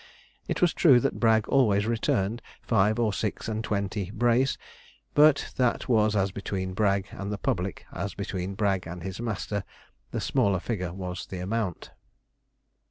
It was true that Bragg always returned five or six and twenty brace; but that was as between Bragg and the public, as between Bragg and his master the smaller figure was the amount.